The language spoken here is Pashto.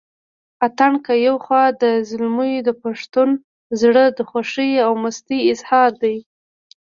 اتڼ که يو خوا د زلميو دپښتون زړه دشوخۍ او مستۍ اظهار دے